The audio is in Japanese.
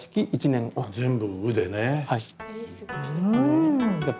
全部「う」でね。